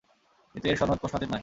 কিন্তু এর সনদ প্রশ্নাতীত নয়।